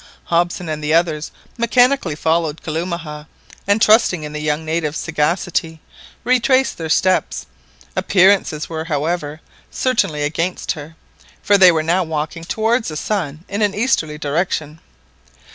Hobson and the others mechanically followed Kalumah, and trusting in the young native's sagacity, retraced their steps. Appearances were, however, certainly against her, for they were now walking towards the sun in an easterly direction.